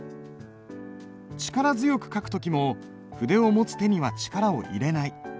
力強く書く時も筆を持つ手には力を入れない。